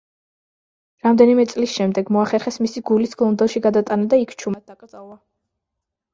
რამდენიმე წლის შემდეგ, მოახერხეს მისი გულის ლონდონში გადატანა და იქ ჩუმად დაკრძალვა.